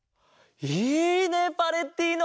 いいねパレッティーノ！